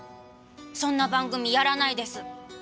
そんな番組やらないです。